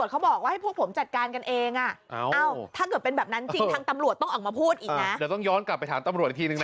เดี๋ยวต้องย้อนกลับไปถามตำรวจอีกทีนึงนะ